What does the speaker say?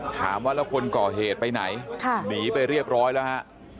ถามว่าแล้วคนก่อเหตุไปไหนหนีไปเรียบร้อยแล้วฮะ